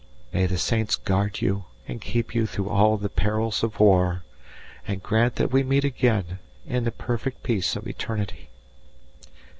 May the Saints guard you and keep you through all the perils of war, and grant that we meet again in the perfect peace of eternity.